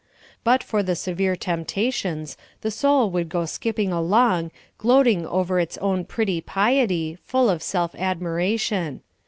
But for the severe temptations, the soul would go skipping along, gloating over its own pretty piety, full of self admiration.